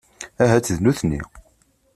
Ahat d nutni.